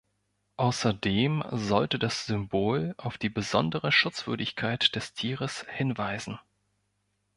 Außerdem sollte das Symbol auf die besondere Schutzwürdigkeit des Tieres hinweisen.